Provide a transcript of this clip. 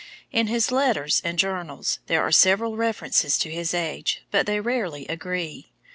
In his letters and journals there are several references to his age, but they rarely agree.